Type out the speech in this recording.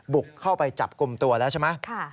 บุกเข้าไปจับกลุ่มตัวแล้วใช่ไหม